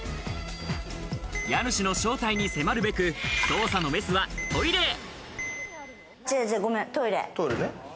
家主の正体に迫るべく捜査のメスはトイレへ。